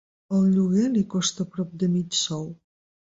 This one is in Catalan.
El lloguer li costa prop de mig sou.